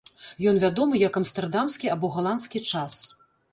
Ён вядомы як амстэрдамскі або галандскі час.